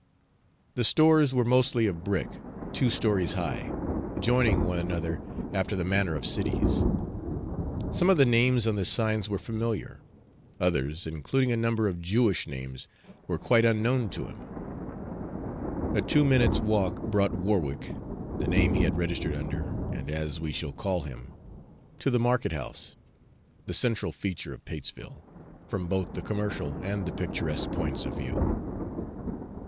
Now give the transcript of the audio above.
The stores were mostly of brick, two stories high, joining one another after the manner of cities. Some of the names on the signs were familiar; others, including a number of Jewish names, were quite unknown to him. A two minutes' walk brought Warwick the name he had registered under, and as we shall call him to the market house, the central feature of Patesville, from both the commercial and the picturesque points of view.